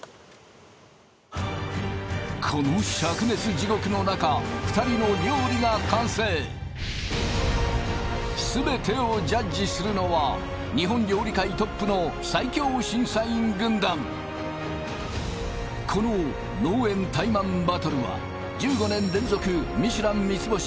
このしゃく熱地獄の中２人の料理が完成全てをジャッジするのは日本料理界トップの最強審査員軍団この農園タイマンバトルは１５年連続ミシュラン三つ星